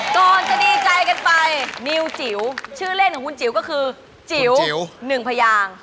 ก่อนจะดีใจกันไปนิวจิ๋วชื่อเล่นของคุณจิ๋วก็คือจิ๋ว๑พยาง